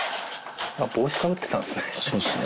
帽子かぶってたんですね。